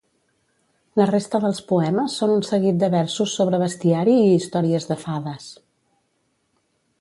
La resta dels poemes són un seguit de versos sobre bestiari i històries de fades.